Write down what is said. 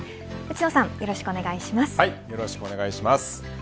内野さんよろしくお願いします。